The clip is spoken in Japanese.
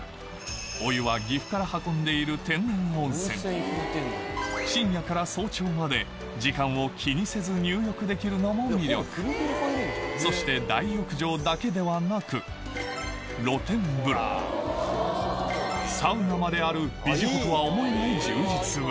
お湯は岐阜から運んでいる天然温泉深夜から早朝まで時間を気にせず入浴できるのも魅力そして大浴場だけではなくまであるビジホとは思えない充実ぶり